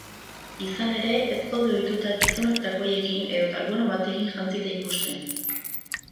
Izan ere, ez gaude ohituta gizonak takoiekin edota gona batekin jantzita ikusten.